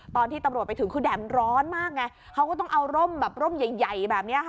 ตอนที่ตำรวจไปถึงคือแดดมันร้อนมากไงเขาก็ต้องเอาร่มแบบร่มใหญ่แบบนี้ค่ะ